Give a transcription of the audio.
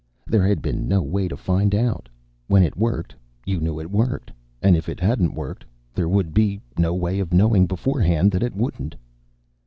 There had been no way to find out. When it worked, you knew it worked. And if it hadn't worked, there would have been no way of knowing beforehand that it wouldn't.